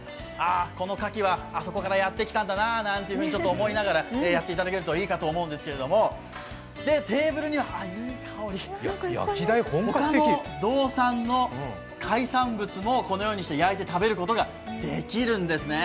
この牡蠣はあそこからやってきたんだなとか思いながらやっていただけるといいかと思いますけれどもほかの道産の海産物もこのように焼いて食べることができるんですね。